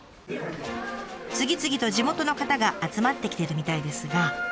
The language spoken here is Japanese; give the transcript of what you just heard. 次々と地元の方が集まってきてるみたいですが。